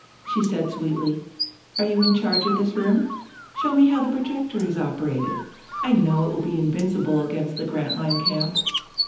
She said sweetly, "Are you in charge of this room? Show me how the projector is operated. I know it will be invincible against the Grantline camp."